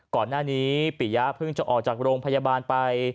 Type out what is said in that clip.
ก่อนหน้านี้ปิยะเพิ่งจะออกจากโรงพยาบาลไป